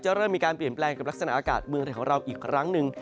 เริ่มมีการเปลี่ยนแปลงกับลักษณะอากาศเมืองไทยของเราอีกครั้งหนึ่ง